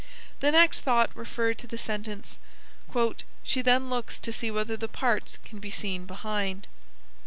The next thought referred to the sentence: "She then looks to see whether the parts can be seen behind."